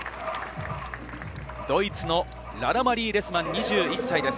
ドイツのララ・マリー・レスマン２１歳です。